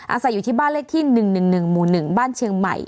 อาศัยอยู่ที่บ้านเลขที่๑๑๑หมู่๑บ้านเชียงใหม่